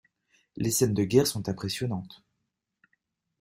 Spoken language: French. Les scènes de guerre sont impressionnantes.